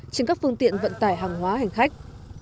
trên các phương tiện vận tải hàng hóa hành khách